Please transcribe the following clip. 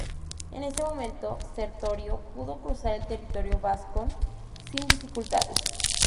En este momento Sertorio pudo cruzar el territorio vascón sin dificultades.